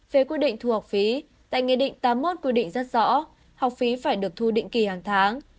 về quy định thu học phí tại nghị định tám mươi một quy định rất rõ học phí phải được thu định kỳ hàng tháng